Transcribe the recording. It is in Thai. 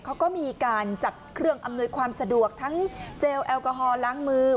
เขาก็มีการจับเครื่องอำนวยความสะดวกทั้งเจลแอลกอฮอลล้างมือ